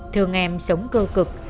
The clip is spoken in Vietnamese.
thường em sống cơ cực